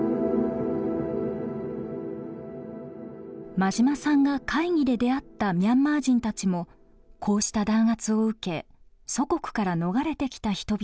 馬島さんが会議で出会ったミャンマー人たちもこうした弾圧を受け祖国から逃れてきた人々でした。